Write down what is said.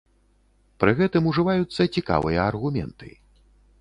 Пры гэтым ужываюцца цікавыя аргументы.